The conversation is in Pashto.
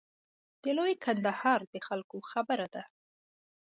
د لوی کندهار د خلکو خبره ده.